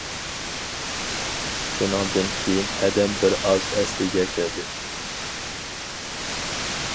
شۇنىڭدىن كېيىن ھەدەم بىر ئاز ئەسلىگە كەلدى.